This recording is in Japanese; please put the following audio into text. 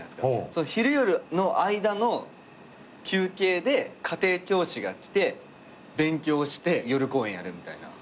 その昼夜の間の休憩で家庭教師が来て勉強して夜公演やるみたいな。